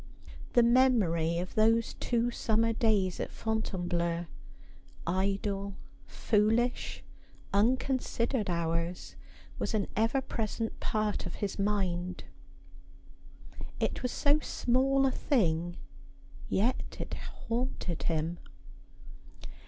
The memory of those two summer days at Fontainebleau — idle, foolish, unconsidered hours — was an ever present part of his mind. It was so small a thing ; yet it haunted him.